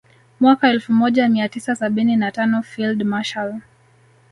Mwaka elfu moja mia tisa sabini na tano Field Marshal